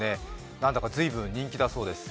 なんだか随分人気だそうです。